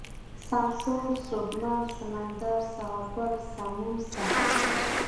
سمسور ، سوبمن ، سمندر ، سهارگل ، سمون ، سحر